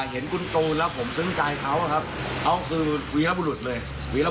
เห็นคุณตูนแล้วผมซึ้งใจเขาครับเขาคือวีรบุรุษเลย